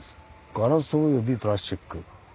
「ガラスおよびプラスチック」。